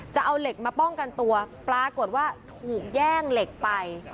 จะเอาเหล็กมาป้องกันตัวปรากฏว่าถูกแย่งเหล็กไป